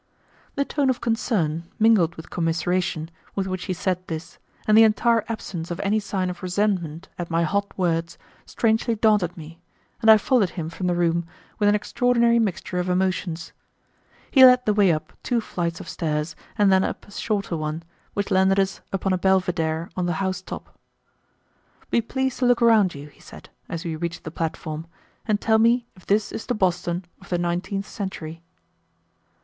The tone of concern, mingled with commiseration, with which he said this, and the entire absence of any sign of resentment at my hot words, strangely daunted me, and I followed him from the room with an extraordinary mixture of emotions. He led the way up two flights of stairs and then up a shorter one, which landed us upon a belvedere on the house top. "Be pleased to look around you," he said, as we reached the platform, "and tell me if this is the Boston of the nineteenth century."